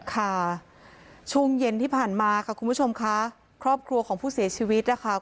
ค่ะช่วงเย็นที่ผ่านมาค่ะคุณผู้ชมค่ะครอบครัวของผู้เสียชีวิตนะคะ